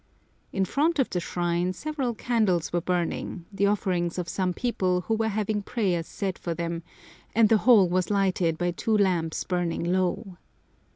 In front of the shrine several candles were burning, the offerings of some people who were having prayers said for them, and the whole was lighted by two lamps burning low.